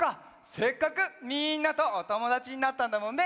せっかくみんなとおともだちになったんだもんね。